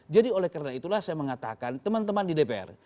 jadi oleh karena itulah saya mengatakan teman teman di dpr